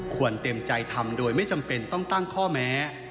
เต็มใจทำโดยไม่จำเป็นต้องตั้งข้อแม้